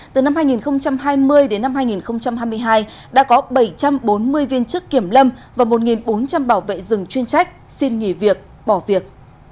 từ năm hai nghìn hai mươi đến năm hai nghìn hai mươi hai đã có bảy trăm bốn mươi viên chức kiểm lâm và một bốn trăm linh bảo vệ rừng chuyên trách xin nghỉ việc bỏ việc